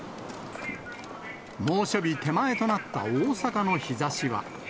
猛暑日手前となった大阪の日ざしは。